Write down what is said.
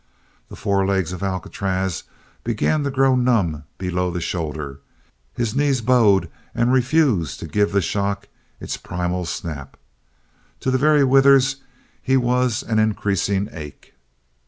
The forelegs of Alcatraz began to grow numb below the shoulder; his knees bowed and refused to give the shock its primal snap; to the very withers he was an increasing ache.